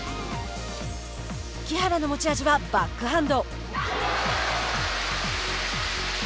木原の持ち味はバックハンド。